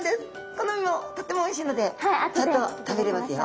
この身もとってもおいしいのでちゃんと食べれますよ。